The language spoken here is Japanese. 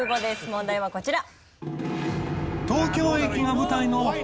問題はこちら。